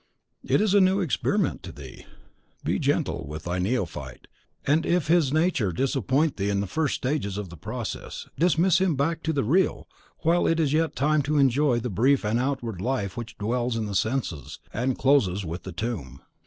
It is a new experiment to thee. Be gentle with thy neophyte, and if his nature disappoint thee in the first stages of the process, dismiss him back to the Real while it is yet time to enjoy the brief and outward life which dwells in the senses, and closes with the tomb.